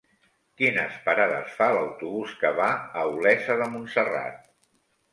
Quines parades fa l'autobús que va a Olesa de Montserrat?